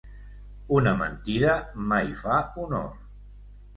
Una mentida mai fa honor.